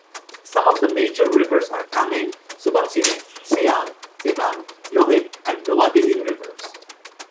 Some of the major rivers are Kameng, Subansiri, Siang, Dibang, Lohit and Noa-Dihing rivers.